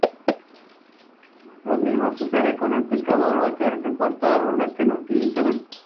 Lo mismo sucede con el pescador, o aquel que corta árboles que no utilizará.